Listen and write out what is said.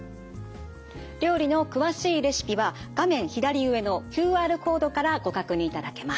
料理の詳しいレシピは画面左上のＱＲコードからご確認いただけます。